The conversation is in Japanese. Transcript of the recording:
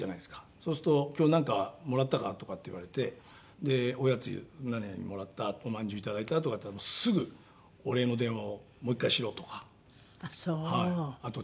そうすると「今日なんかもらったか？」とかって言われてで「おやつ何々もらった」「おまんじゅういただいた」とか言ったら「すぐお礼の電話をもう一回しろ」とか。ああそう。